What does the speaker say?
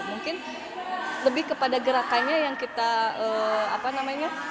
mungkin lebih kepada gerakannya yang kita apa namanya